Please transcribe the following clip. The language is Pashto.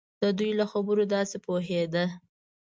د دوی له خبرو داسې پوهېده.